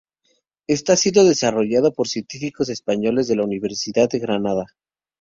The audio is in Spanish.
Está siendo desarrollado por científicos españoles de la Universidad de Granada.